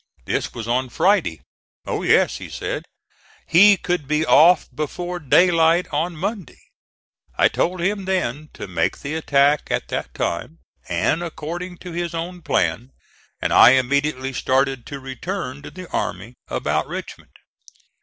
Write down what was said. This was on Friday. "O Yes," he said, he "could be off before daylight on Monday." I told him then to make the attack at that time and according to his own plan; and I immediately started to return to the army about Richmond.